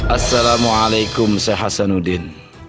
assalamu'alaikum saya hasan udin